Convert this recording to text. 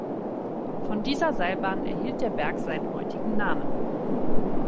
Von dieser Seilbahn erhielt der Berg seinen heutigen Namen.